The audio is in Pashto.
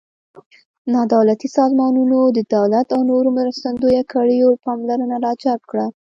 نا دولتي سازمانونو د دولت او نورو مرستندویه کړیو پاملرنه را جلب کړه.